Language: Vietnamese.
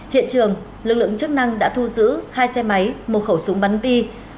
hiện trường lực lượng chức năng đã thu giữ hai xe máy một khẩu súng bắn bi